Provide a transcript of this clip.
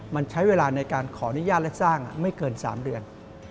มันใช้เวลาในการขออนุญาตและสร้างไม่เกิน๓เดือน